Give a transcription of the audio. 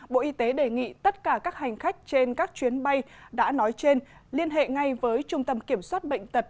bộ y tế đề nghị tất cả các hành khách trên các chuyến bay đã nói trên liên hệ ngay với trung tâm kiểm soát bệnh tật